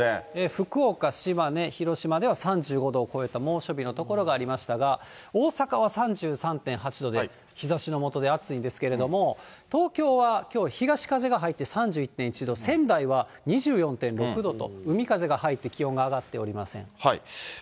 福岡、島根、広島では３５度を超えた猛暑日の所がありましたが、大阪は３３．８度で日ざしの下で暑いんですけれども、東京はきょう、東風が入って３１．１度、仙台は２４．６度と、海風が入って気温が上がっておりません。